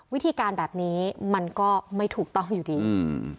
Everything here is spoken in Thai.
วิธีการแบบนี้มันก็ไม่ถูกต้องอยู่ดีอืม